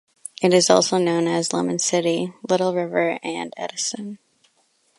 It is also known as Lemon City, Little River and Edison.